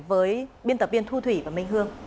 với biên tập biên thu thủy và minh hương